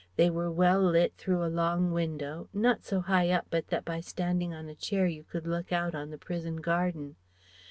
They were well lit through a long window, not so high up but that by standing on a chair you could look out on the prison garden.